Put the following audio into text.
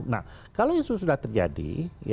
nah kalau itu sudah terjadi